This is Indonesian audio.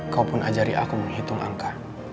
kau pun ajari aku menghitung angka